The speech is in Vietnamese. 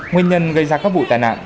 nguyên nhân gây ra các vụ tai nạn